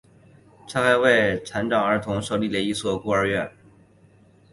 他还为残障儿童设立了一所孤儿院。